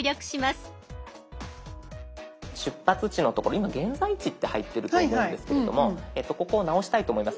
今現在地って入ってると思うんですけれどもここを直したいと思います。